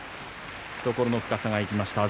懐の深さが生きました。